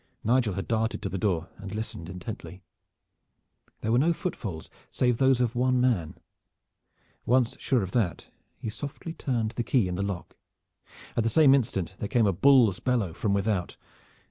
Nigel had darted to the door and listened intently. There were no footfalls save those of one man. Once sure of that, he softly turned the key in the lock. At the same instant there came a bull's bellow from without.